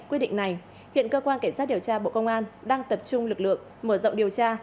quyết định này hiện cơ quan cảnh sát điều tra bộ công an đang tập trung lực lượng mở rộng điều tra